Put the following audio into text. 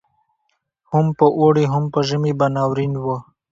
هم په اوړي هم په ژمي به ناورین وو